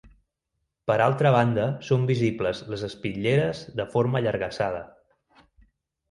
Per altra banda són visibles les espitlleres de forma allargassada.